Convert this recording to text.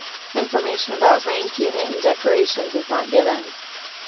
Information about rank, unit, and decorations is not given.